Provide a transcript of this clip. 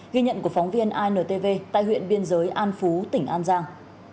ghi nhận của phóng viên intv tại huyện biên giới an phú tỉnh an giang